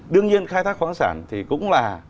đương nhiên khai thác khoáng sản thì cũng là